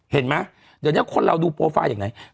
เห็นไหมเดี๋ยวนี้คนเราดูโปรไฟล์อย่างไหน